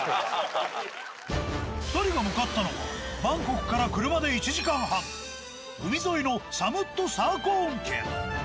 ２人が向かったのはバンコクから車で１時間半海沿いのサムットサーコーン県。